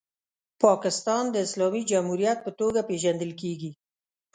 پاکستان د اسلامي جمهوریت په توګه پیژندل کیږي.